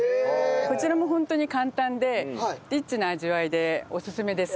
こちらもホントに簡単でリッチな味わいでオススメです。